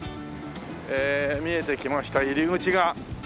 見えてきました入り口が。